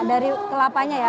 dari kelapanya ya